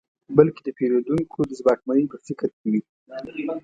بلکې د پېرودونکو د ځواکمنۍ په فکر کې وي.